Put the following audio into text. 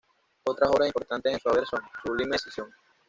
Otras obras importantes en su haber son: "¡Sublime decisión!